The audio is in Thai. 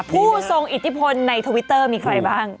ผู้ทรงอิทธิพลในทวิตเตอร์มีใครบ้าง